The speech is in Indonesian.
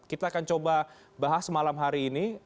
kita akan coba bahas malam hari ini